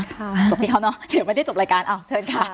จบที่เขาเนาะเดี๋ยวมาที่จะจบรายการเอาเชิญค่ะ